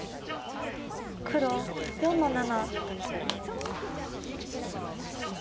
黒４の七。